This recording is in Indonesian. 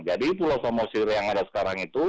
jadi pulau samosir yang ada sekarang itu